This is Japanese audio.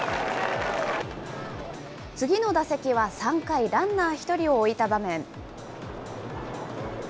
次の打席は３回、ランナー１人を置いた場面。